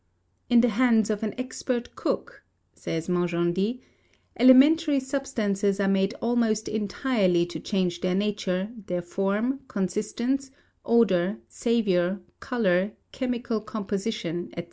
"In the hands of an expert cook," says Majendie, "alimentary substances are made almost entirely to change their nature, their form, consistence, odour, savour, colour, chemical composition, &c.